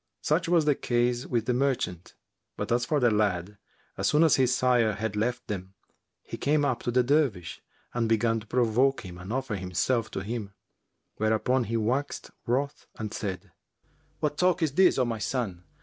Such was the case with the merchant; but as to the lad, as soon as his sire had left them, he came up to the Dervish and began to provoke him and offer himself to him, whereupon he waxed wroth and said, "What talk is this, O my son?